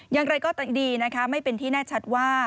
ยังไงก็ดีนะคะไม่เป็นที่แน่ชัดว่า